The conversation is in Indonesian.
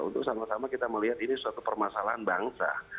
untuk sama sama kita melihat ini suatu permasalahan bangsa